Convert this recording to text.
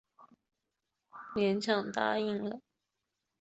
迈克勉强答应了。